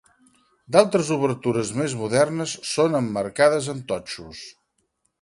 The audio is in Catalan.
D'altres obertures més modernes són emmarcades amb totxos.